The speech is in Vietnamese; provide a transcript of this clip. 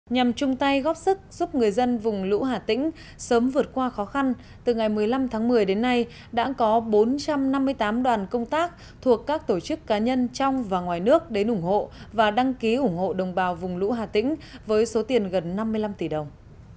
nhằm chung tay góp sức giúp người dân vùng lũ hà tĩnh sớm vượt qua khó khăn từ ngày một mươi năm tháng một mươi đến nay đã có bốn trăm năm mươi tám đoàn công tác thuộc các tổ chức cá nhân trong và ngoài nước đến ủng hộ và đăng ký ủng hộ đồng bào vùng lũ hà tĩnh với số tiền gần năm mươi năm tỷ đồng